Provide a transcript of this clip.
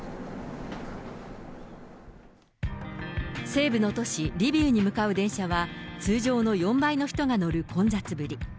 西部の都市リビウに向かう電車は、通常の４倍の人が乗る混雑ぶり。